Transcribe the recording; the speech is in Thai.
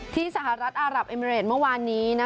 ที่สหรัฐอารับเอเมรินด์เมื่อวานนี้